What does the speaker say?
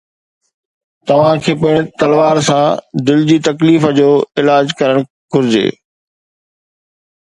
توهان کي پڻ تلوار سان دل جي تڪليف جو علاج ڪرڻ گهرجي